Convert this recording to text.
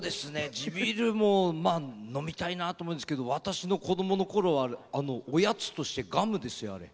地ビールも飲みたいなと思うんですけど私の子どものころはおやつとしてガムですよ。